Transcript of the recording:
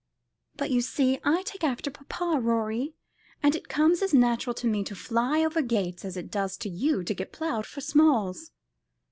But you see I take after papa, Rorie; and it comes as natural to me to fly over gates as it does to you to get ploughed for smalls.